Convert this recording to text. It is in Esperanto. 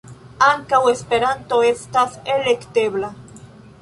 Ankaŭ Esperanto estas elektebla.